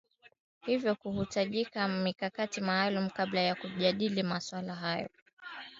hivyo kuhitajika mikakati maalum kabla ya kujadili masuala hayo